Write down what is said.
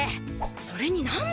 それに何だ？